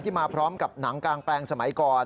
มาพร้อมกับหนังกางแปลงสมัยก่อน